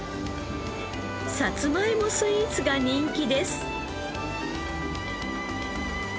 さつまいもスイーツが人気です。